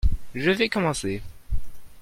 je vais commencer.